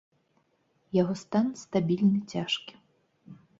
Яго стан стабільны цяжкі.